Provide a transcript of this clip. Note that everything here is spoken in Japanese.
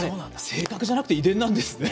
性格じゃなくて遺伝なんですね。